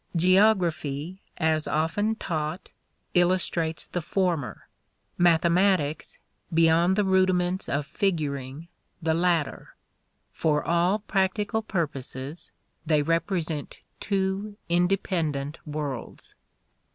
Geography, as often taught, illustrates the former; mathematics, beyond the rudiments of figuring, the latter. For all practical purposes, they represent two independent worlds.